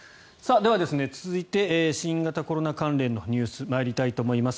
では、続いて新型コロナ関連のニュースに参りたいと思います。